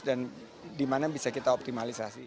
dan di mana bisa kita optimalisasi